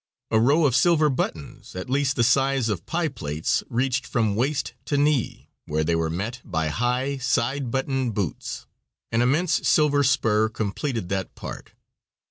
A row of silver buttons, at least the size of pie plates, reached from waist to knee, where they were met by high side buttoned boots. An immense silver spur completed that part.